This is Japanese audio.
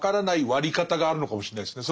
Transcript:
割り方があるのかもしれないですね。